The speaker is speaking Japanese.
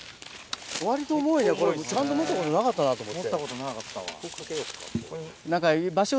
割と重いねこれちゃんと持ったことなかったなと思って。